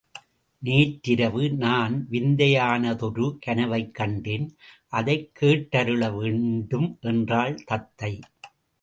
நேற்றிரவு நான் விந்தையானதொரு கனவைக் கண்டேன் அதைக் கேட்டருள வேண்டும் என்றாள் தத்தை.